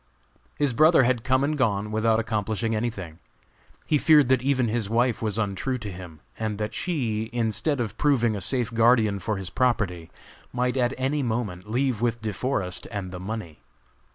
His brother had come and gone without accomplishing anything. He feared that even his wife was untrue to him, and that she, instead of proving a safe guardian for his property, might at any moment leave with De Forest and the money.